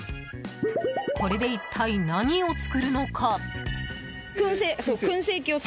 これで一体、何を作るのか。